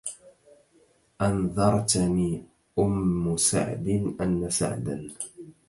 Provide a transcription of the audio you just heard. أنذرتني أم سعد أن سعدا